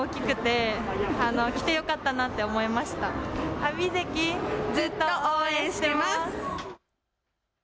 阿炎関、ずっと応援しています。